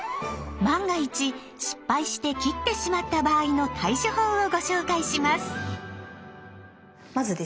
万が一失敗して切ってしまった場合の対処法をご紹介します。